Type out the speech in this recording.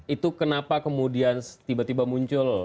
itu kenapa kemudian tiba tiba muncul